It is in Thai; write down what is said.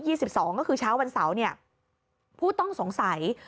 ก็คือเช้าวันเสาร์ผู้ต้องสงสัย